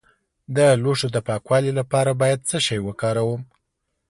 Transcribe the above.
د لوښو د پاکوالي لپاره باید څه شی وکاروم؟